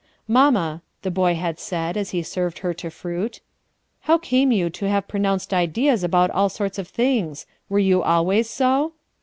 "Mamma," the boy had said as he served her to fruit, "how came you to have pronounced ideas about all sorts of things? Were you always so?"